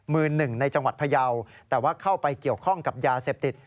มือหนึ่งในจังหวัดพยาวแต่ว่าเข้าไปเกี่ยวข้องกับยาเสพติด